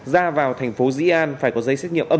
ra vào thành phố dĩ an phải có giấy xét nghiệm ẩm